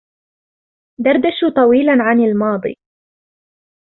دردشوا طويلًا عن الماضي.